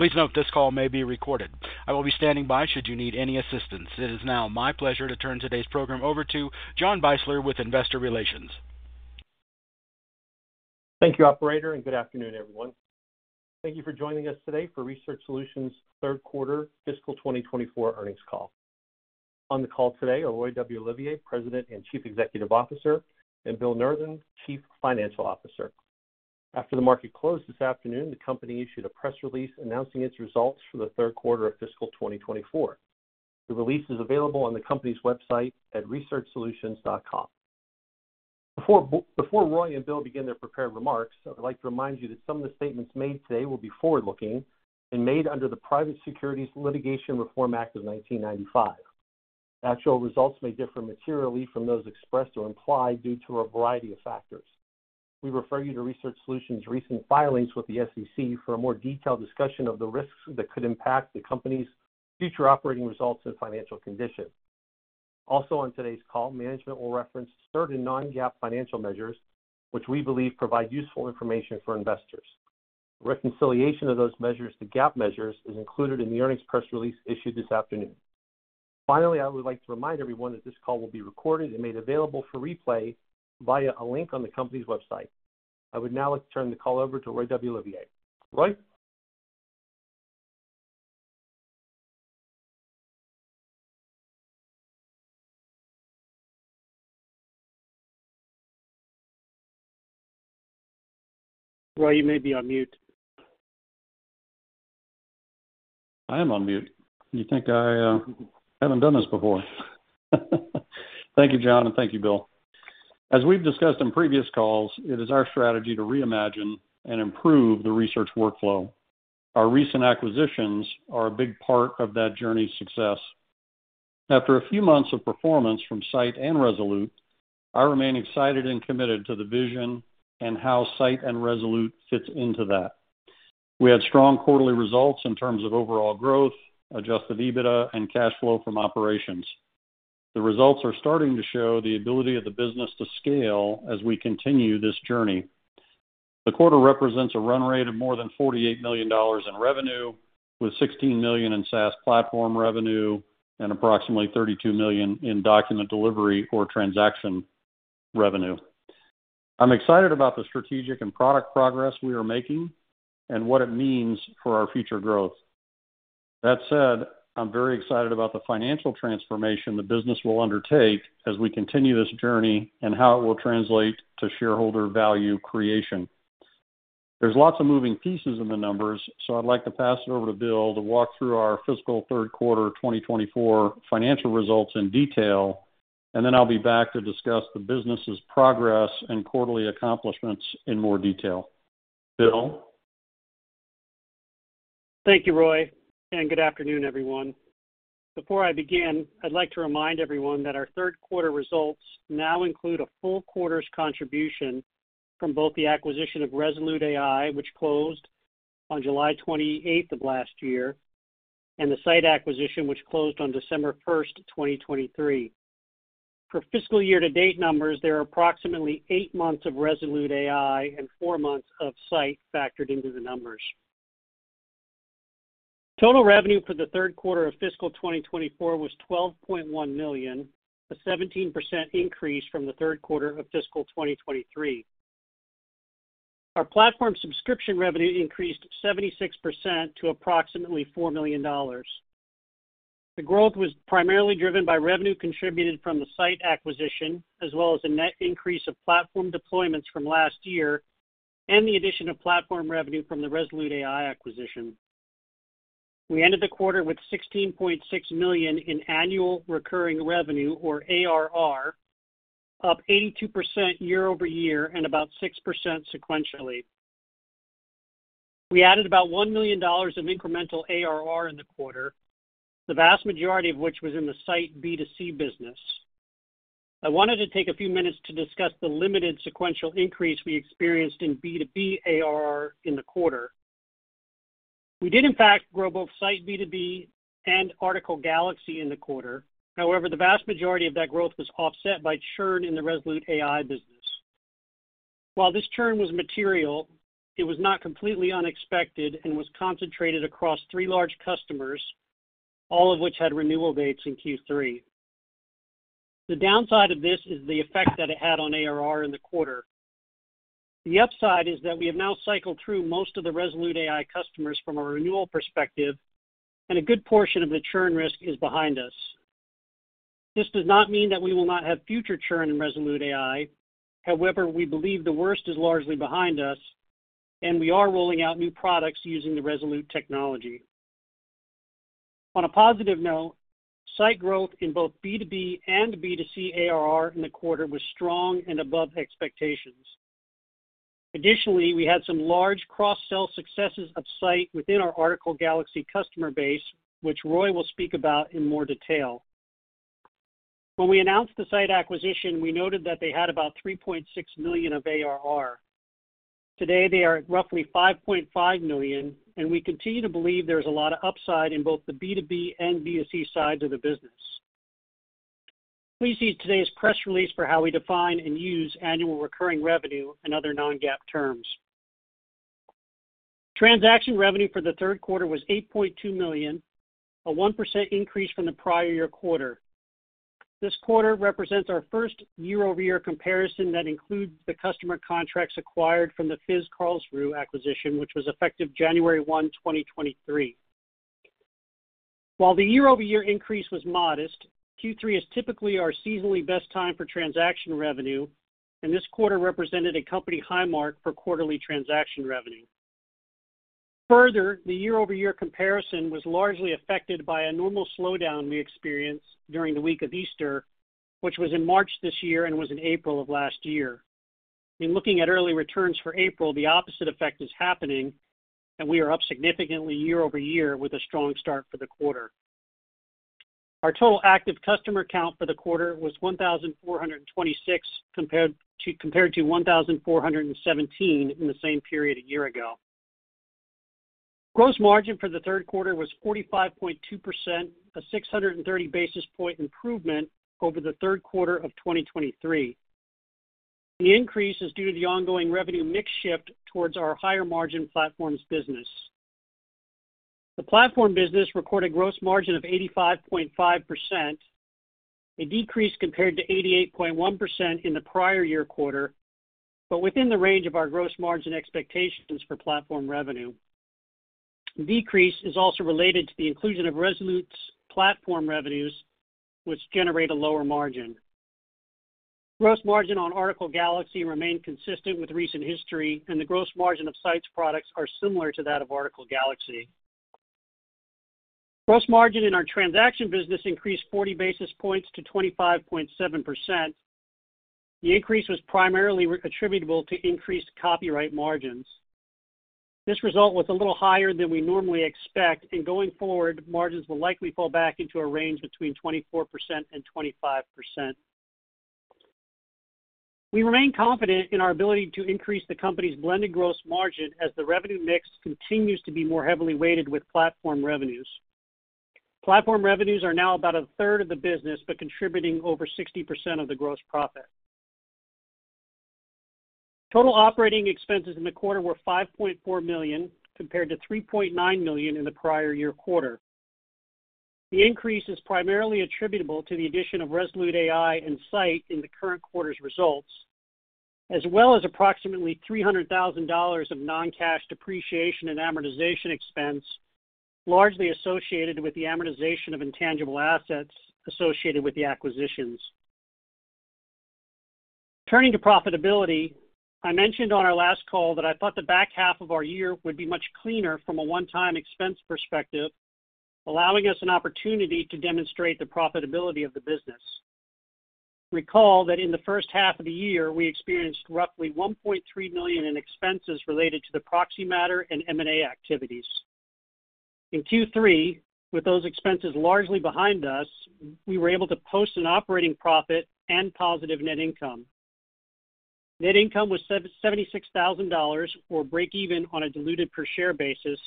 Please note this call may be recorded. I will be standing by should you need any assistance. It is now my pleasure to turn today's program over to John Beisler with Investor Relations. Thank you, operator, and good afternoon, everyone. Thank you for joining us today for Research Solutions' Third Quarter Fiscal 2024 Earnings Call. On the call today are Roy W. Olivier, President and Chief Executive Officer, and Bill Nurthen, Chief Financial Officer. After the market closed this afternoon, the company issued a press release announcing its results for the third quarter of fiscal 2024. The release is available on the company's website at researchsolutions.com. Before before Roy and Bill begin their prepared remarks, I'd like to remind you that some of the statements made today will be forward-looking and made under the Private Securities Litigation Reform Act of 1995. Actual results may differ materially from those expressed or implied due to a variety of factors. We refer you to Research Solutions' recent filings with the SEC for a more detailed discussion of the risks that could impact the company's future operating results and financial condition. Also, on today's call, management will reference certain non-GAAP financial measures, which we believe provide useful information for investors. Reconciliation of those measures to GAAP measures is included in the earnings press release issued this afternoon. Finally, I would like to remind everyone that this call will be recorded and made available for replay via a link on the company's website. I would now like to turn the call over to Roy W. Olivier. Roy? Roy, you may be on mute. I am on mute. You think I haven't done this before? Thank you, John, and thank you, Bill. As we've discussed in previous calls, it is our strategy to reimagine and improve the research workflow. Our recent acquisitions are a big part of that journey's success. After a few months of performance from scite and Resolute, I remain excited and committed to the vision and how scite and Resolute fits into that. We had strong quarterly results in terms of overall growth, adjusted EBITDA, and cash flow from operations. The results are starting to show the ability of the business to scale as we continue this journey. The quarter represents a run rate of more than $48 million in revenue, with $16 million in SaaS platform revenue and approximately $32 million in document delivery or transaction revenue. I'm excited about the strategic and product progress we are making and what it means for our future growth. That said, I'm very excited about the financial transformation the business will undertake as we continue this journey and how it will translate to shareholder value creation. There's lots of moving pieces in the numbers, so I'd like to pass it over to Bill to walk through our fiscal third quarter 2024 financial results in detail, and then I'll be back to discuss the business's progress and quarterly accomplishments in more detail. Bill? Thank you, Roy, and good afternoon, everyone. Before I begin, I'd like to remind everyone that our third quarter results now include a full quarter's contribution from both the acquisition of Resolute AI, which closed on July 28 of last year, and the scite acquisition, which closed on December 1, 2023. For fiscal year-to-date numbers, there are approximately eight months of Resolute AI and four months of scite factored into the numbers. Total revenue for the third quarter of fiscal 2024 was $12.1 million, a 17% increase from the third quarter of fiscal 2023. Our platform subscription revenue increased 76% to approximately $4 million. The growth was primarily driven by revenue contributed from the scite acquisition, as well as a net increase of platform deployments from last year and the addition of platform revenue from the Resolute AI acquisition. We ended the quarter with $16.6 million in annual recurring revenue, or ARR, up 82% year-over-year and about 6% sequentially. We added about $1 million of incremental ARR in the quarter, the vast majority of which was in the scite B2C business. I wanted to take a few minutes to discuss the limited sequential increase we experienced in B2B ARR in the quarter. We did, in fact, grow both scite B2B and Article Galaxy in the quarter. However, the vast majority of that growth was offset by churn in the Resolute AI business. While this churn was material, it was not completely unexpected and was concentrated across three large customers, all of which had renewal dates in Q3. The downside of this is the effect that it had on ARR in the quarter. The upside is that we have now cycled through most of the Resolute AI customers from a renewal perspective, and a good portion of the churn risk is behind us. This does not mean that we will not have future churn in Resolute AI. However, we believe the worst is largely behind us, and we are rolling out new products using the Resolute technology. On a positive note, scite growth in both B2B and B2C ARR in the quarter was strong and above expectations. Additionally, we had some large cross-sell successes of scite within our Article Galaxy customer base, which Roy will speak about in more detail. When we announced the scite acquisition, we noted that they had about $3.6 million of ARR. Today, they are at roughly $5.5 million, and we continue to believe there's a lot of upside in both the B2B and B2C sides of the business. Please see today's press release for how we define and use annual recurring revenue and other non-GAAP terms. Transaction revenue for the third quarter was $8.2 million, a 1% increase from the prior-year quarter. This quarter represents our first year-over-year comparison that includes the customer contracts acquired from the FIZ Karlsruhe acquisition, which was effective January 1, 2023. While the year-over-year increase was modest, Q3 is typically our seasonally best time for transaction revenue, and this quarter represented a company high mark for quarterly transaction revenue. Further, the year-over-year comparison was largely affected by a normal slowdown we experience during the week of Easter, which was in March this year and was in April of last year. In looking at early returns for April, the opposite effect is happening, and we are up significantly year over year with a strong start for the quarter. Our total active customer count for the quarter was 1,426, compared to 1,417 in the same period a year ago. Gross margin for the third quarter was 45.2%, a 630 basis point improvement over the third quarter of 2023. The increase is due to the ongoing revenue mix shift towards our higher-margin platforms business. The platform business recorded gross margin of 85.5%, a decrease compared to 88.1% in the prior year quarter, but within the range of our gross margin expectations for platform revenue. Decrease is also related to the inclusion of Resolute's platform revenues, which generate a lower margin. Gross margin on Article Galaxy remained consistent with recent history, and the gross margin of scite's products are similar to that of Article Galaxy. Gross margin in our transaction business increased 40 basis points to 25.7%. The increase was primarily attributable to increased copyright margins. This result was a little higher than we normally expect, and going forward, margins will likely fall back into a range between 24% and 25%. We remain confident in our ability to increase the company's blended gross margin as the revenue mix continues to be more heavily weighted with platform revenues. Platform revenues are now about a third of the business, but contributing over 60% of the gross profit. Total operating expenses in the quarter were $5.4 million, compared to $3.9 million in the prior year quarter. The increase is primarily attributable to the addition of Resolute AI and scite in the current quarter's results, as well as approximately $300,000 of non-cash depreciation and amortization expense, largely associated with the amortization of intangible assets associated with the acquisitions. Turning to profitability, I mentioned on our last call that I thought the back half of our year would be much cleaner from a one-time expense perspective, allowing us an opportunity to demonstrate the profitability of the business. Recall that in the first half of the year, we experienced roughly $1.3 million in expenses related to the proxy matter and M&A activities. In Q3, with those expenses largely behind us, we were able to post an operating profit and positive net income. Net income was $76,000, or breakeven on a diluted per share basis,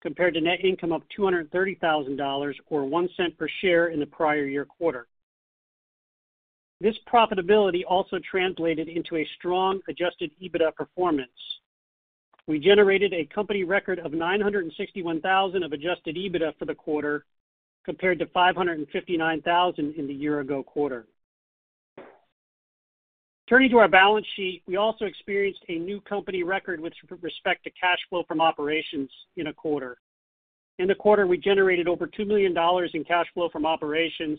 compared to net income of $230,000, or $0.01 per share in the prior year quarter. This profitability also translated into a strong adjusted EBITDA performance. We generated a company record of $961,000 of adjusted EBITDA for the quarter, compared to $559,000 in the year-ago quarter. Turning to our balance sheet, we also experienced a new company record with respect to cash flow from operations in a quarter. In the quarter, we generated over $2 million in cash flow from operations,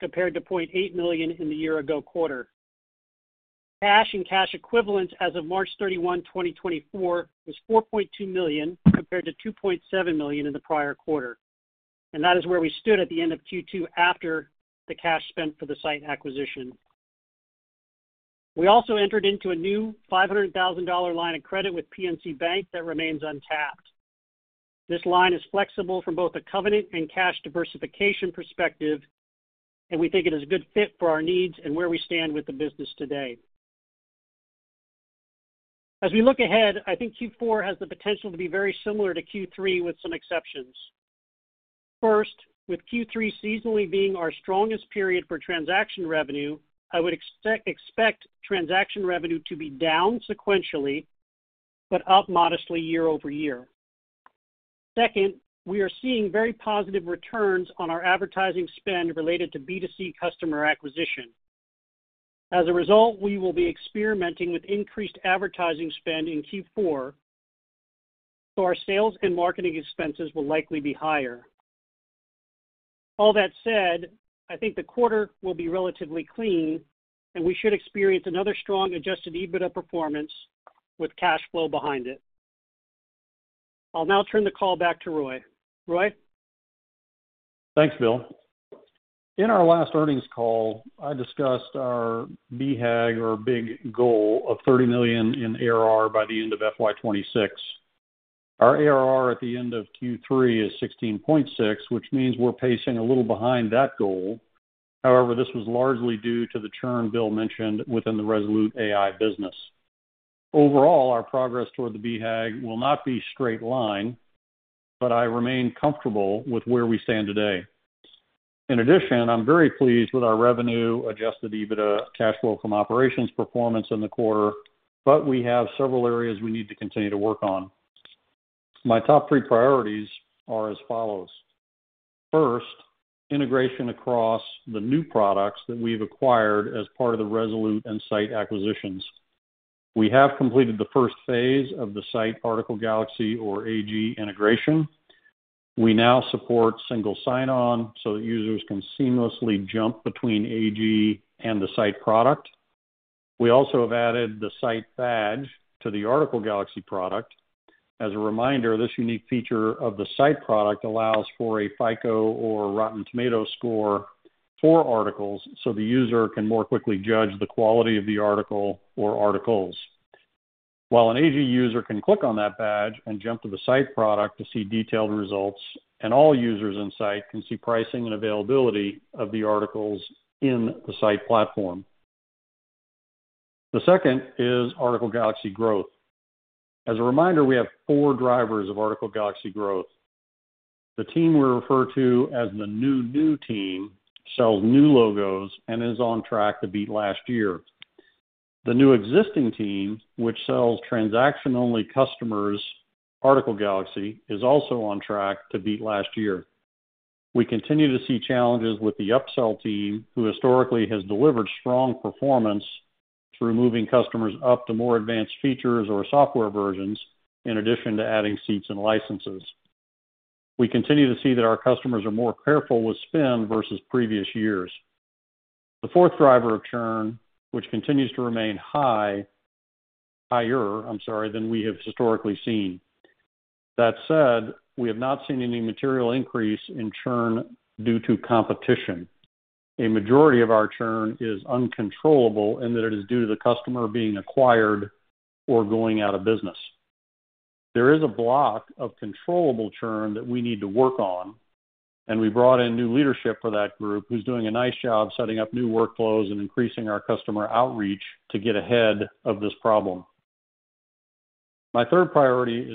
compared to $0.8 million in the year-ago quarter. Cash and cash equivalents as of March 31, 2024, was $4.2 million, compared to $2.7 million in the prior quarter, and that is where we stood at the end of Q2 after the cash spent for the scite acquisition. We also entered into a new $500,000 line of credit with PNC Bank that remains untapped. This line is flexible from both a covenant and cash diversification perspective, and we think it is a good fit for our needs and where we stand with the business today. As we look ahead, I think Q4 has the potential to be very similar to Q3, with some exceptions. First, with Q3 seasonally being our strongest period for transaction revenue, I would expect transaction revenue to be down sequentially, but up modestly year over year. Second, we are seeing very positive returns on our advertising spend related to B2C customer acquisition. As a result, we will be experimenting with increased advertising spend in Q4, so our sales and marketing expenses will likely be higher. All that said, I think the quarter will be relatively clean, and we should experience another strong adjusted EBITDA performance with cash flow behind it. I'll now turn the call back to Roy. Roy? Thanks, Bill. In our last earnings call, I discussed our BHAG or big goal of $30 million in ARR by the end of FY 2026. Our ARR at the end of Q3 is $16.6 million, which means we're pacing a little behind that goal. However, this was largely due to the churn Bill mentioned within the Resolute AI business. Overall, our progress toward the BHAG will not be straight line, but I remain comfortable with where we stand today. In addition, I'm very pleased with our revenue, adjusted EBITDA, cash flow from operations performance in the quarter, but we have several areas we need to continue to work on. My top three priorities are as follows: First, integration across the new products that we've acquired as part of the Resolute and scite acquisitions. We have completed the first phase of the scite Article Galaxy, or AG, integration. We now support single sign-on so that users can seamlessly jump between AG and the scite product. We also have added the scite Badge to the Article Galaxy product. As a reminder, this unique feature of the scite product allows for a FICO or Rotten Tomatoes score for articles, so the user can more quickly judge the quality of the article or articles. While an AG user can click on that badge and jump to the scite product to see detailed results, and all users in scite can see pricing and availability of the articles in the scite platform. The second is Article Galaxy growth. As a reminder, we have four drivers of Article Galaxy growth. The team we refer to as the new, new team, sells new logos and is on track to beat last year. The new existing team, which sells transaction-only customers Article Galaxy, is also on track to beat last year. We continue to see challenges with the upsell team, who historically has delivered strong performance through moving customers up to more advanced features or software versions, in addition to adding seats and licenses. We continue to see that our customers are more careful with spend versus previous years. The fourth driver of churn, which continues to remain higher, I'm sorry, than we have historically seen. That said, we have not seen any material increase in churn due to competition. A majority of our churn is uncontrollable and that it is due to the customer being acquired or going out of business. There is a block of controllable churn that we need to work on, and we brought in new leadership for that group, who's doing a nice job setting up new workflows and increasing our customer outreach to get ahead of this problem. My third priority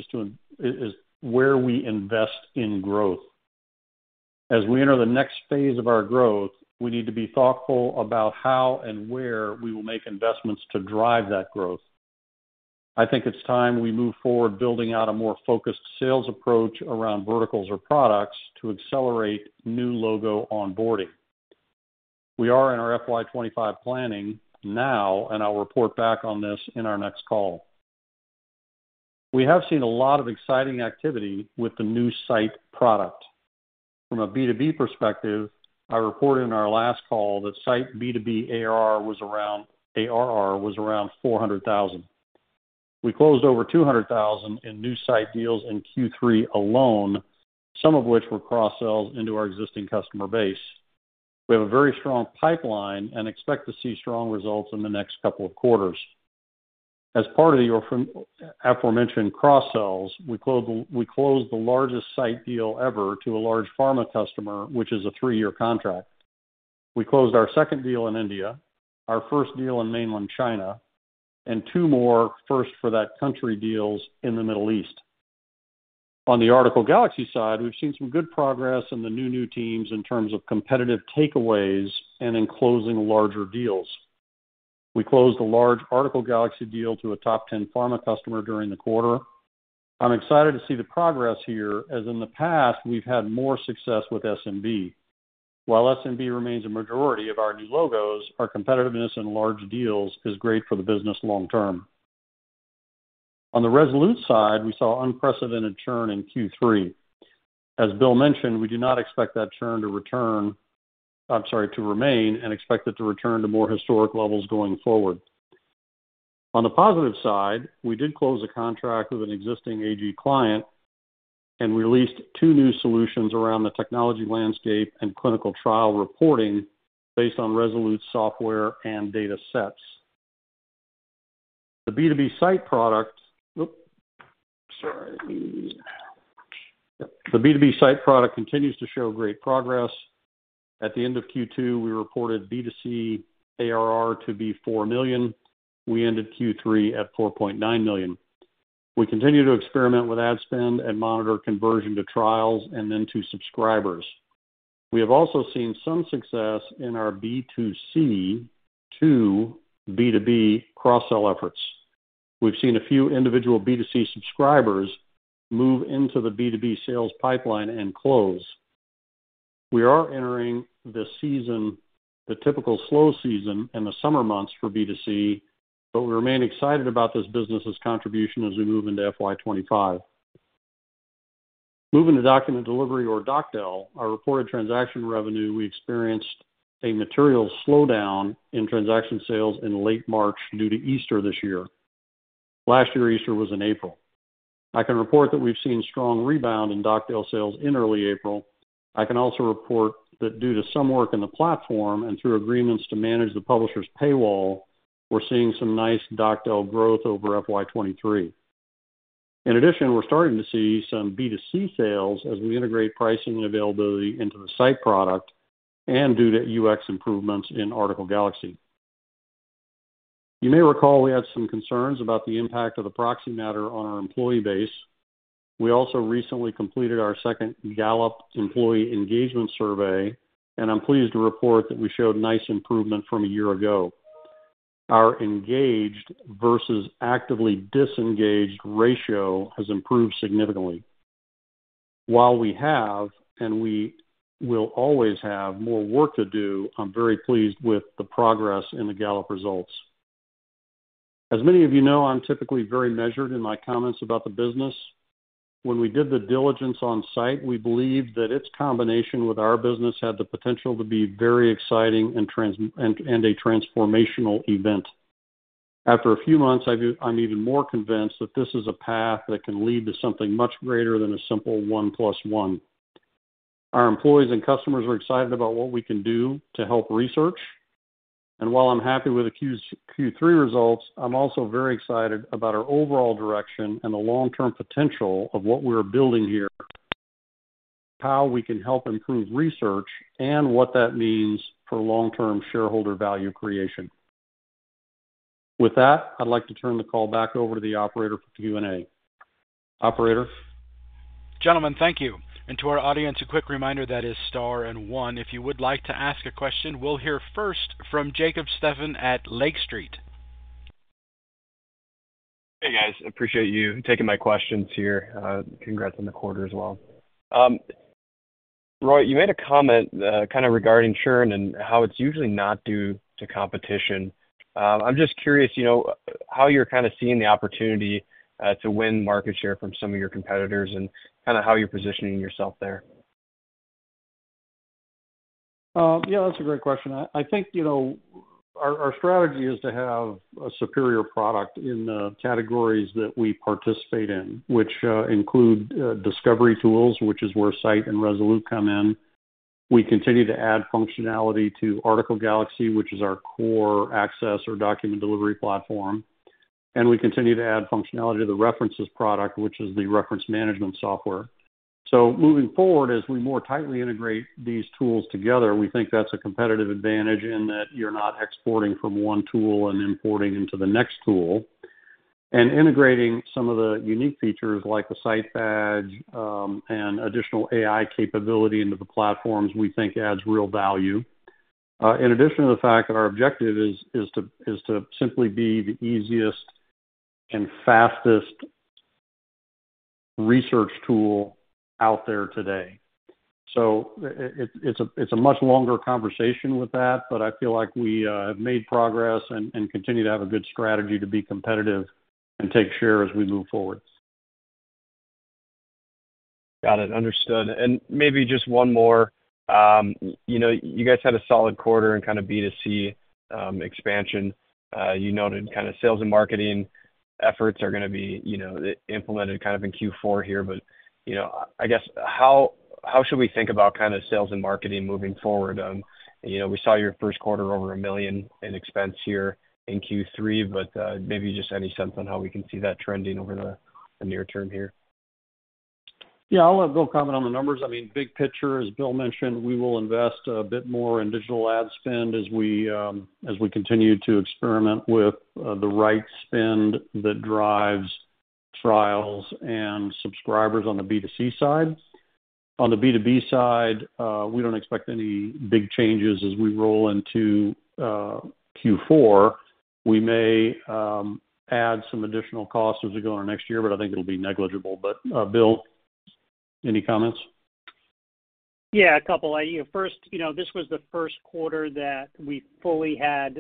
is where we invest in growth. As we enter the next phase of our growth, we need to be thoughtful about how and where we will make investments to drive that growth. I think it's time we move forward, building out a more focused sales approach around verticals or products to accelerate new logo onboarding. We are in our FY 2025 planning now, and I'll report back on this in our next call. We have seen a lot of exciting activity with the new scite product. From a B2B perspective, I reported in our last call that scite B2B ARR was around $400,000. We closed over $200,000 in new scite deals in Q3 alone, some of which were cross-sells into our existing customer base. We have a very strong pipeline and expect to see strong results in the next couple of quarters. As part of the aforementioned cross-sells, we closed the largest scite deal ever to a large pharma customer, which is a three-year contract. We closed our second deal in India, our first deal in mainland China, and 2 more first-for-that-country deals in the Middle East. On the Article Galaxy side, we've seen some good progress in the new teams in terms of competitive takeaways and in closing larger deals. We closed a large Article Galaxy deal to a top 10 pharma customer during the quarter. I'm excited to see the progress here, as in the past, we've had more success with SMB. While SMB remains a majority of our new logos, our competitiveness in large deals is great for the business long term. On the Resolute side, we saw unprecedented churn in Q3. As Bill mentioned, we do not expect that churn to return, I'm sorry, to remain, and expect it to return to more historic levels going forward. On the positive side, we did close a contract with an existing AG client and released two new solutions around the technology landscape and clinical trial reporting based on Resolute software and data sets. The scite product continues to show great progress. At the end of Q2, we reported B2C ARR to be $4 million. We ended Q3 at $4.9 million. We continue to experiment with ad spend and monitor conversion to trials and then to subscribers. We have also seen some success in our B2C to B2B cross-sell efforts. We've seen a few individual B2C subscribers move into the B2B sales pipeline and close. We are entering the season, the typical slow season in the summer months for B2C, but we remain excited about this business' contribution as we move into FY 2025. Moving to Document Delivery or DocDel, our reported transaction revenue, we experienced a material slowdown in transaction sales in late March due to Easter this year. Last year, Easter was in April. I can report that we've seen strong rebound in DocDel sales in early April. I can also report that due to some work in the platform and through agreements to manage the publisher's paywall, we're seeing some nice DocDel growth over FY 2023. In addition, we're starting to see some B2C sales as we integrate pricing and availability into the scite product and due to UX improvements in Article Galaxy. You may recall we had some concerns about the impact of the proxy matter on our employee base. We also recently completed our second Gallup Employee Engagement Survey, and I'm pleased to report that we showed nice improvement from a year ago. Our engaged versus actively disengaged ratio has improved significantly. While we have, and we will always have more work to do, I'm very pleased with the progress in the Gallup results. As many of you know, I'm typically very measured in my comments about the business. When we did the diligence on scite, we believed that its combination with our business had the potential to be very exciting and a transformational event. After a few months, I'm even more convinced that this is a path that can lead to something much greater than a simple one plus one. Our employees and customers are excited about what we can do to help research. And while I'm happy with the Q3 results, I'm also very excited about our overall direction and the long-term potential of what we're building here, how we can help improve research, and what that means for long-term shareholder value creation. With that, I'd like to turn the call back over to the operator for Q&A. Operator? Gentlemen, thank you. To our audience, a quick reminder, that is star and one. If you would like to ask a question, we'll hear first from Jacob Stephan at Lake Street. Hey, guys, appreciate you taking my questions here. Congrats on the quarter as well. Roy, you made a comment kind of regarding churn and how it's usually not due to competition. I'm just curious, you know, how you're kind of seeing the opportunity to win market share from some of your competitors and kind of how you're positioning yourself there. Yeah, that's a great question. I think, you know, our strategy is to have a superior product in the categories that we participate in, which include discovery tools, which is where scite and Resolute come in. We continue to add functionality to Article Galaxy, which is our core access or document delivery platform, and we continue to add functionality to the References product, which is the reference management software. So moving forward, as we more tightly integrate these tools together, we think that's a competitive advantage in that you're not exporting from one tool and importing into the next tool. And integrating some of the unique features, like the scite Badge, and additional AI capability into the platforms, we think adds real value. In addition to the fact that our objective is to simply be the easiest and fastest research tool out there today. So it’s a much longer conversation with that, but I feel like we have made progress and continue to have a good strategy to be competitive and take share as we move forward. Got it. Understood. Maybe just one more. You know, you guys had a solid quarter in kind of B2C expansion. You noted kind of sales and marketing efforts are gonna be, you know, implemented kind of in Q4 here. But you know, I guess, how should we think about kind of sales and marketing moving forward? You know, we saw your first quarter over a million in expense here in Q3, but maybe just any sense on how we can see that trending over the near term here? Yeah, I'll let Bill comment on the numbers. I mean, big picture, as Bill mentioned, we will invest a bit more in digital ad spend as we, as we continue to experiment with the right spend that drives trials and subscribers on the B2C side. On the B2B side, we don't expect any big changes as we roll into Q4. We may add some additional costs as we go into next year, but I think it'll be negligible. But, Bill, any comments? Yeah, a couple. You know, first, you know, this was the first quarter that we fully had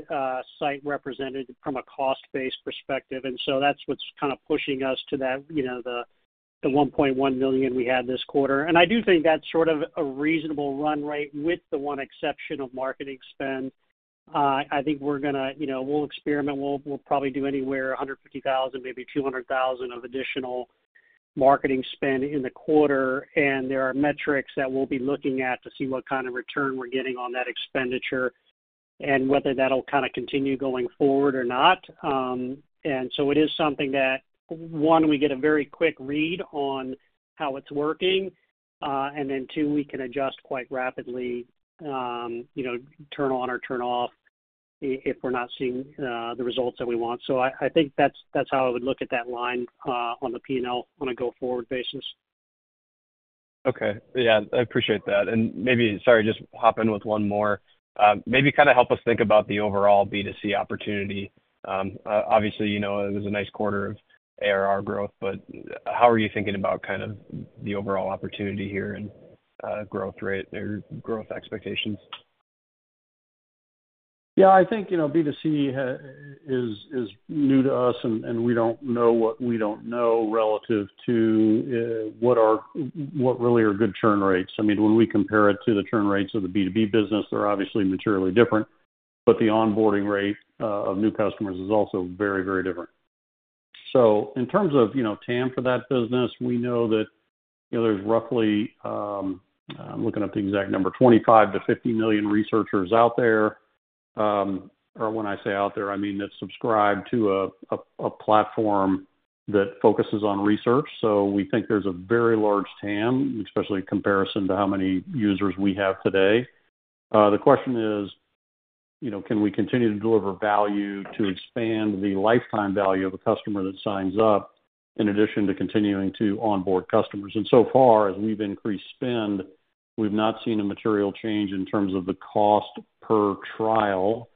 scite represented from a cost-based perspective, and so that's what's kind of pushing us to that, you know, the $1.1 million we had this quarter. And I do think that's sort of a reasonable run rate with the one exception of marketing spend. I think we're gonna... You know, we'll experiment. We'll probably do anywhere, $150,000, maybe $200,000 of additional marketing spend in the quarter, and there are metrics that we'll be looking at to see what kind of return we're getting on that expenditure and whether that'll kind of continue going forward or not. And so it is something that, one, we get a very quick read on how it's working, and then two, we can adjust quite rapidly, you know, turn on or turn off if we're not seeing the results that we want. So I think that's how I would look at that line on the P&L on a go-forward basis. Okay. Yeah, I appreciate that. And maybe, sorry, just hop in with one more. Maybe kind of help us think about the overall B2C opportunity. Obviously, you know, it was a nice quarter of ARR growth, but how are you thinking about kind of the overall opportunity here and growth rate or growth expectations? Yeah, I think, you know, B2C is new to us, and we don't know what we don't know relative to what really are good churn rates. I mean, when we compare it to the churn rates of the B2B business, they're obviously materially different, but the onboarding rate of new customers is also very, very different. So in terms of, you know, TAM for that business, we know that, you know, there's roughly, I'm looking up the exact number, 25-50 million researchers out there... or when I say out there, I mean that subscribe to a platform that focuses on research. So we think there's a very large TAM, especially in comparison to how many users we have today. The question is, you know, can we continue to deliver value to expand the lifetime value of a customer that signs up, in addition to continuing to onboard customers? And so far, as we've increased spend, we've not seen a material change in terms of the cost per trial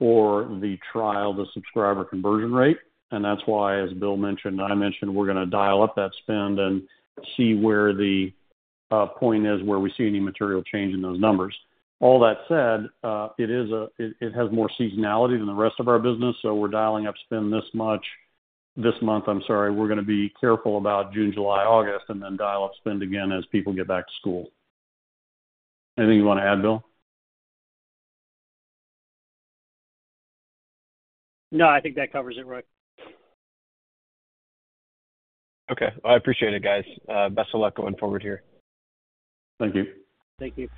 or the trial-to-subscriber conversion rate. And that's why, as Bill mentioned, and I mentioned, we're going to dial up that spend and see where the point is, where we see any material change in those numbers. All that said, it has more seasonality than the rest of our business, so we're dialing up spend this much, this month, I'm sorry. We're going to be careful about June, July, August, and then dial up spend again as people get back to school. Anything you want to add, Bill? No, I think that covers it, Rick. Okay. I appreciate it, guys. Best of luck going forward here. Thank you. Thank you.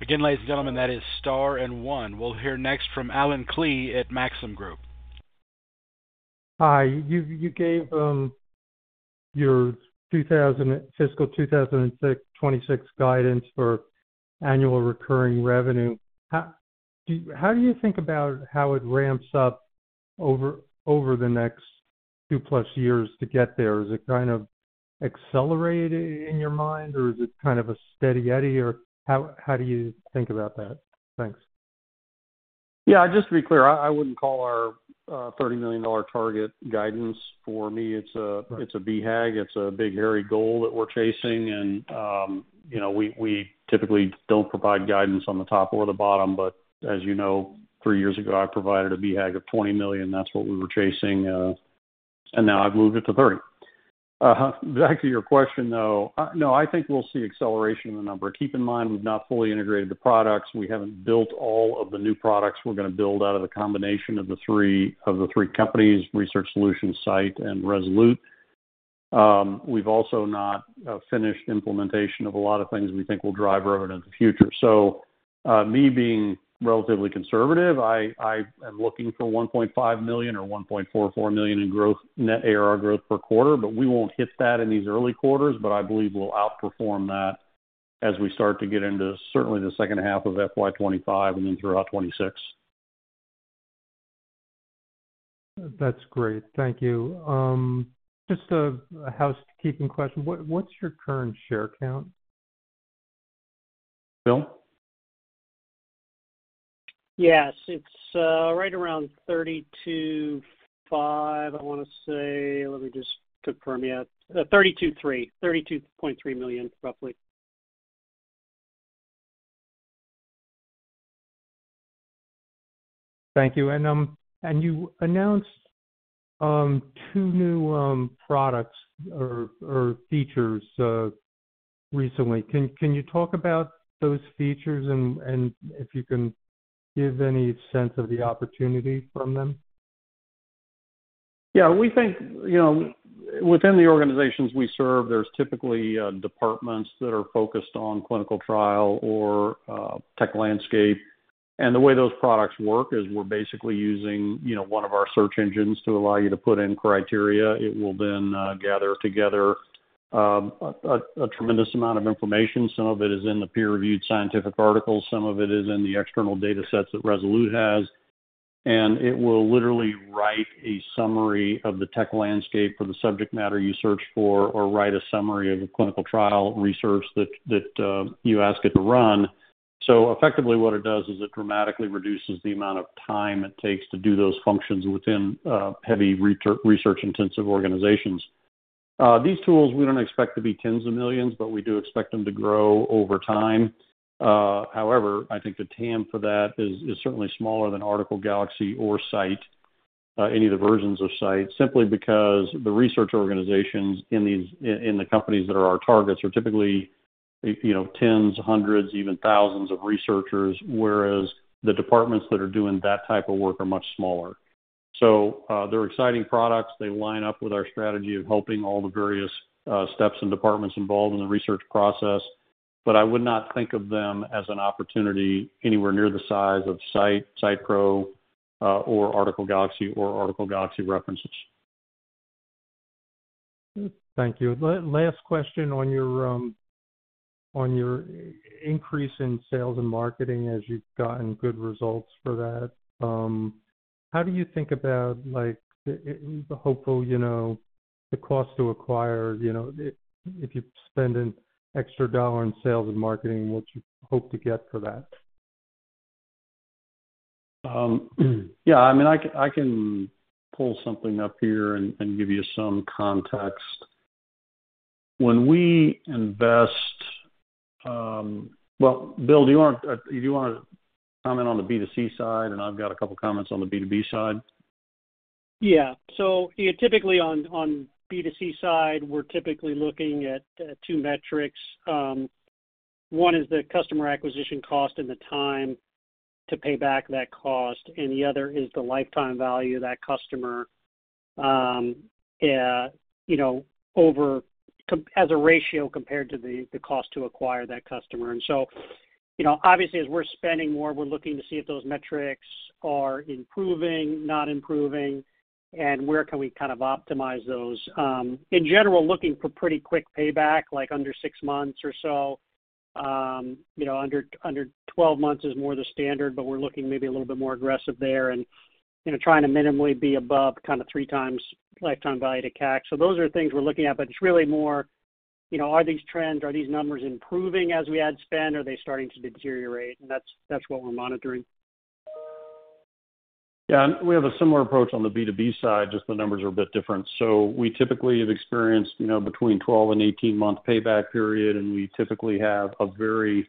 Again, ladies and gentlemen, that is star and One. We'll hear next from Allen Klee at Maxim Group. Hi. You gave your 2026 fiscal guidance for annual recurring revenue. How do you think about how it ramps up over the next two plus years to get there? Is it kind of accelerated in your mind, or is it kind of a steady eddy, or how do you think about that? Thanks. Yeah, just to be clear, I, I wouldn't call our $30 million target guidance. For me, it's a- Right. It's a BHAG. It's a big, hairy goal that we're chasing, and, you know, we, we typically don't provide guidance on the top or the bottom, but as you know, three years ago, I provided a BHAG of $20 million. That's what we were chasing, and now I've moved it to $30 million. Back to your question, though. No, I think we'll see acceleration in the number. Keep in mind, we've not fully integrated the products. We haven't built all of the new products we're going to build out of the combination of the three, of the three companies, Research Solutions, scite and Resolute. We've also not finished implementation of a lot of things we think will drive revenue in the future. So, me being relatively conservative, I am looking for $1.5 million or $1.44 million in growth, net AR growth per quarter, but we won't hit that in these early quarters, but I believe we'll outperform that as we start to get into certainly the second half of FY 2025 and then throughout 2026. That's great. Thank you. Just a housekeeping question. What's your current share count? Bill? Yes, it's right around $32.5, I want to say. Let me just confirm yet. $32.3. $32.3 million, roughly. Thank you. You announced two new products or features recently. Can you talk about those features and if you can give any sense of the opportunity from them? Yeah, we think, you know, within the organizations we serve, there's typically departments that are focused on clinical trial or tech landscape. And the way those products work is we're basically using, you know, one of our search engines to allow you to put in criteria. It will then gather together a tremendous amount of information. Some of it is in the peer-reviewed scientific articles, some of it is in the external datasets that Resolute has. And it will literally write a summary of the tech landscape for the subject matter you search for or write a summary of the clinical trial research that you ask it to run. So effectively, what it does is it dramatically reduces the amount of time it takes to do those functions within heavy research-intensive organizations. These tools, we don't expect to be $10s of millions, but we do expect them to grow over time. However, I think the TAM for that is certainly smaller than Article Galaxy or scite, any of the versions of scite, simply because the research organizations in these companies that are our targets are typically, you know, 10s, 100s, even 1,000s of researchers, whereas the departments that are doing that type of work are much smaller. So, they're exciting products. They line up with our strategy of helping all the various steps and departments involved in the research process, but I would not think of them as an opportunity anywhere near the size of scite, scite Pro, or Article Galaxy or Article Galaxy References. Thank you. Last question on your increase in sales and marketing as you've gotten good results for that. How do you think about, like, hopeful, you know, the cost to acquire, you know, if you spend an extra dollar on sales and marketing, what you hope to get for that? Yeah, I mean, I can pull something up here and give you some context. When we invest... Well, Bill, do you want to comment on the B2C side, and I've got a couple of comments on the B2B side? Yeah. So typically, on B2C side, we're typically looking at two metrics. One is the customer acquisition cost and the time to pay back that cost, and the other is the lifetime value of that customer. Yeah, you know, as a ratio compared to the cost to acquire that customer. So, you know, obviously, as we're spending more, we're looking to see if those metrics are improving, not improving, and where can we kind of optimize those. In general, looking for pretty quick payback, like under six months or so. You know, under 12 months is more the standard, but we're looking maybe a little bit more aggressive there and, you know, trying to minimally be above kind of three times lifetime value to CAC. So those are things we're looking at, but it's really more, you know, are these trends, are these numbers improving as we add spend, or are they starting to deteriorate? And that's, that's what we're monitoring. Yeah, and we have a similar approach on the B2B side, just the numbers are a bit different. So we typically have experienced, you know, between 12- and 18-month payback period, and we typically have a very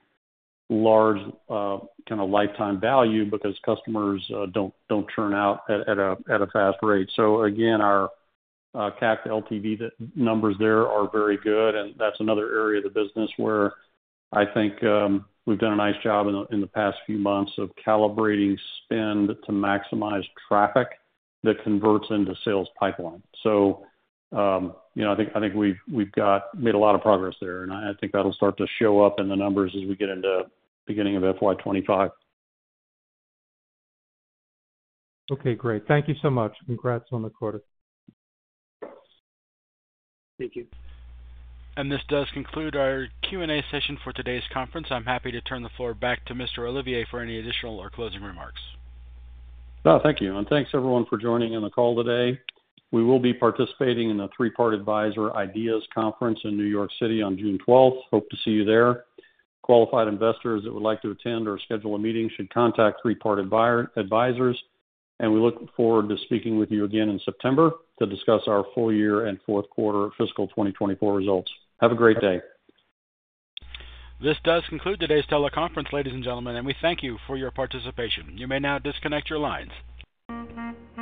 large, kind of lifetime value because customers don't churn out at a fast rate. So again, our CAC LTV, the numbers there are very good, and that's another area of the business where I think we've done a nice job in the past few months of calibrating spend to maximize traffic that converts into sales pipeline. So, you know, I think we've made a lot of progress there, and I think that'll start to show up in the numbers as we get into beginning of FY 2025. Okay, great. Thank you so much. Congrats on the quarter. Thank you. This does conclude our Q&A session for today's conference. I'm happy to turn the floor back to Mr. Olivier for any additional or closing remarks. Thank you, and thanks, everyone, for joining in the call today. We will be participating in the Three Part Advisors Ideas Conference in New York City on June twelfth. Hope to see you there. Qualified investors that would like to attend or schedule a meeting should contact Three Part Advisors, and we look forward to speaking with you again in September to discuss our full year and fourth quarter fiscal 2024 results. Have a great day. This does conclude today's teleconference, ladies and gentlemen, and we thank you for your participation. You may now disconnect your lines.